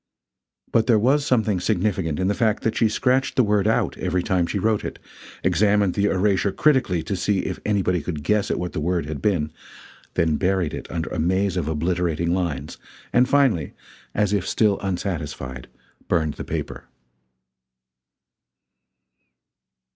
But there was something significant in the fact that she scratched the word out every time she wrote it; examined the erasure critically to see if anybody could guess at what the word had been; then buried it under a maze of obliterating lines; and finally, as if still unsatisfied, burned the paper.